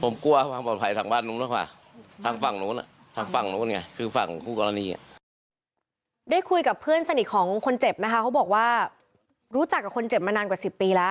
มีชีวิตมีเป็นเพื่อนสนิของคนเจ็บนะคะเขาบอกว่ารู้จักกับคนเจ็บมานานกว่า๑๐ปีละ